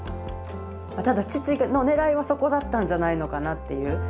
ただ父のねらいはそこだったんじゃないのかなっていう。